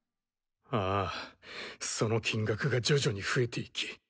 ああその金額が徐々に増えていき